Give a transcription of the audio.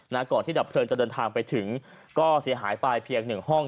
ก่อนที่ดับเพลิงจะเดินทางไปถึงก็เสียหายไปเพียงหนึ่งห้อง